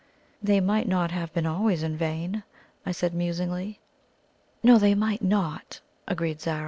"They might not have been always in vain," I said musingly. "No, they might not," agreed Zara.